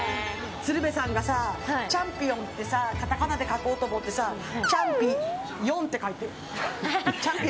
鶴瓶さんがチャンピオンってカタカナで書こうと思ったらチャンピヨンって書いて。